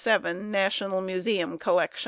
15767, National Museum collection.